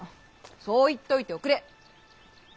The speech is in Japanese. そう言っといておくれ。